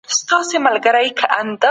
ماینوکسیډیل د وېښتو زرغونولو کې مرسته کوي.